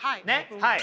はい。